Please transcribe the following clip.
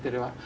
chính vì vậy